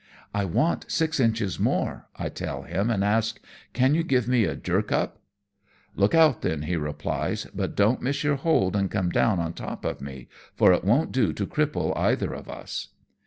" I want six inches more," I tell him, and ask, " Can you give me a jerk up ?"" Look out then," he replies, " but don't miss your hold and come down on the top of me, for it won't do to cripple either of us."